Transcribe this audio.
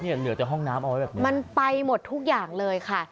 เหนือจากห้องน้ำเอาไว้แบบนี้มันไปหมดทุกอย่างเลยค่ะ